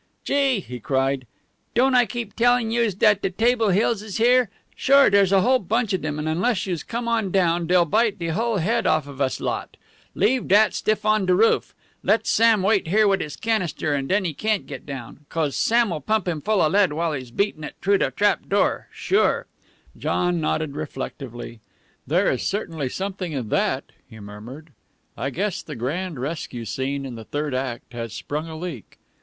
"Gee!" he cried, "don't I keep tellin' youse dat de Table Hills is here? Sure, dere's a whole bunch of dem, and unless youse come on down dey'll bite de hull head off of us lot. Leave dat stiff on de roof. Let Sam wait here wit' his canister, and den he can't get down, 'cos Sam'll pump him full of lead while he's beatin' it t'roo de trapdoor. Sure!" John nodded reflectively. "There is certainly something in that," he murmured. "I guess the grand rescue scene in the third act has sprung a leak.